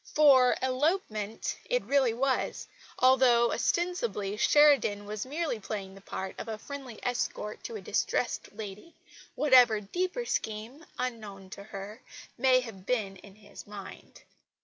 For elopement it really was, although ostensibly Sheridan was merely playing the part of a friendly escort to a distressed lady, whatever deeper scheme, unknown to her, may have been in his mind.